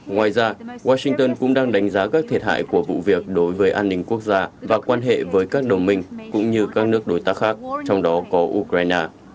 ngoài ra washington cũng đang đánh giá các thiệt hại của vụ việc đối với an ninh quốc gia và quan hệ với các đồng minh cũng như các nước đối tác khác trong đó có ukraine